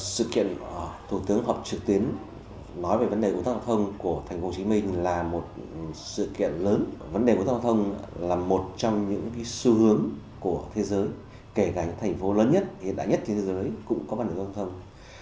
sự kiện thủ tướng học trực tiến nói về vấn đề của tắc giao thông của tp hcm là một sự kiện lớn vấn đề của tắc giao thông là một trong những xu hướng của thế giới kể cả thành phố lớn nhất hiện đại nhất trên thế giới cũng có vấn đề tắc giao thông